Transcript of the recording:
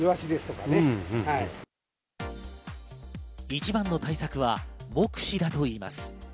一番の対策は目視だといいます。